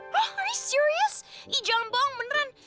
huh are you serious ii jangan bohong beneran